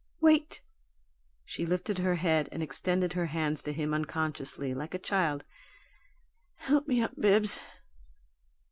"Wait!" She lifted her head and extended her hands to him unconsciously, like a child. "Help me up, Bibbs."